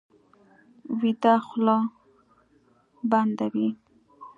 ویده خوله بنده وي